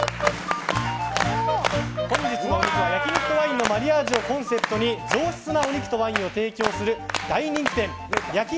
本日のお肉は焼肉とワインのマリアージュをコンセプトに上質なお肉とワインを提供する大人気店焼肉